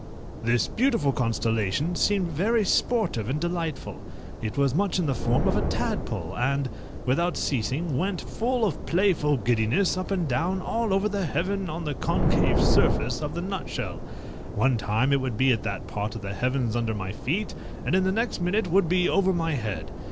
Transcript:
This beautiful constellation seemed very sportive and delightful. It was much in the form of a tadpole! and, without ceasing, went, full of playful giddiness, up and down, all over the heaven on the concave surface of the nutshell. One time it would be at that part of the heavens under my feet, and in the next minute would be over my head.